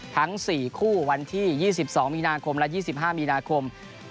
ทั้ง๔คู่วันที่๒๒มีนาคมและ๒๕มีนาคม